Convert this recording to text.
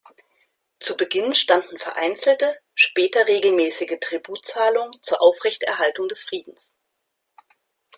Zu Beginn standen vereinzelte, später regelmäßige Tributzahlungen zur Aufrechterhaltung des Friedens.